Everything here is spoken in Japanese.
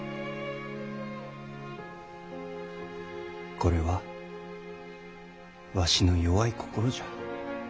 これはわしの弱い心じゃ。